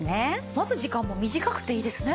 待つ時間も短くていいですね。